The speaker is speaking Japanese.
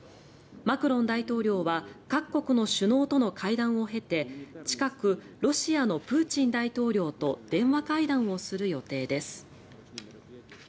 マクロン大統領は各国の首脳との会談を経て近く、ロシアのプーチン大統領と電話会談をする予定です。